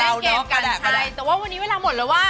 เกมกันใช่แต่ว่าวันนี้เวลาหมดแล้วว่า